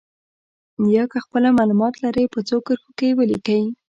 یا که خپله معلومات لرئ په څو کرښو کې یې ولیکئ.